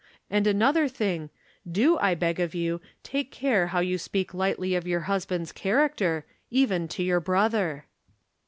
And another thing do, I beg of you, take care how you speak lightly of your husband's character, even to your brother."